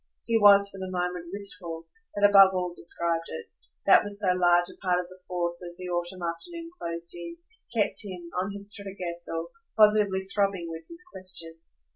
He was, for the moment, wistful that above all described it; that was so large a part of the force that, as the autumn afternoon closed in, kept him, on his traghetto, positively throbbing with his question.